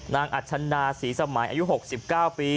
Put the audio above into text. นางอัจฉรรณาศรีสมัยอายุ๖๙ปี